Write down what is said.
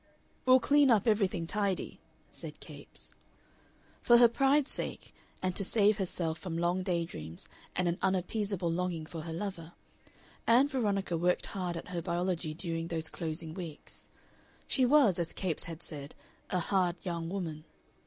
"We'll clean up everything tidy," said Capes.... For her pride's sake, and to save herself from long day dreams and an unappeasable longing for her lover, Ann Veronica worked hard at her biology during those closing weeks. She was, as Capes had said, a hard young woman.